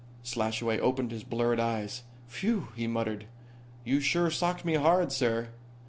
Slashaway opened blurred eyes, "Phew!" he muttered. "You sure socked me hard, sir."